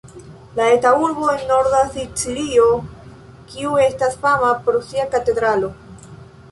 La eta urbo en norda Sicilio kiu estas fama pro sia katedralo.